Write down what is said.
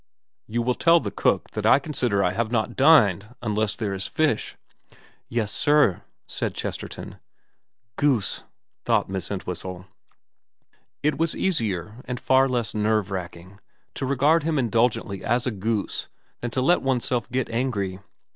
' You will tell the cook that I consider I have not dined unless there is fish.' * Yes sir,' said Chesterton. ' Goose,' thought Miss Entwhistle. It was easier, and far less nerve racking, to regard him indulgently as a goose than to let oneself get angry.